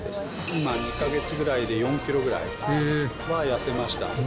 今、２か月ぐらいで４キロぐらいは痩せました。